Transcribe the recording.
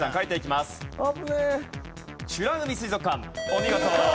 お見事！